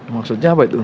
maksudnya apa itu